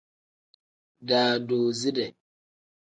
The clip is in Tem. Daadoside.